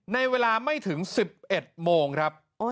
ในเวลาไม่ถึง๑๑โมงครับ